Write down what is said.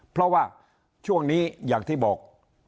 เพราะว่าช่วงนี้อย่างที่บอก